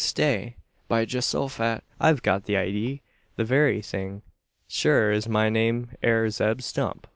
Stay! By Geehosofat, I've got the idee the very thing sure es my name air Zeb Stump!"